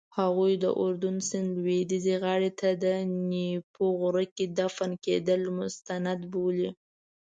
هغوی د اردن سیند لویدیځې غاړې ته نیپو غره کې دفن کېدل مستند بولي.